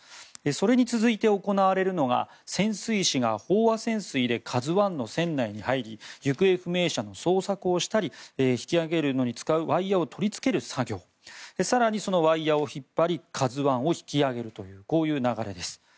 それに続いて行われるのが潜水士が飽和潜水で「ＫＡＺＵ１」の船内に入り行方不明者の捜索をしたり引き揚げるのに使うワイヤを取りつける作業更にそのワイヤを引っ張り「ＫＡＺＵ１」を引き揚げるというこういう流れです。